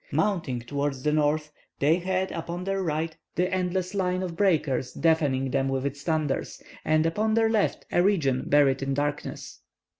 Mounting towards the north, they had upon their right the endless line of breakers deafening them with its thunders, and upon their left a region buried in darkness.